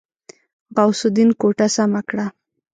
غوث الدين کوټه سمه کړه.